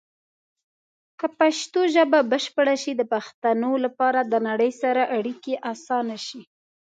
که پښتو ژبه بشپړه شي، د پښتنو لپاره د نړۍ سره اړیکې اسانه شي.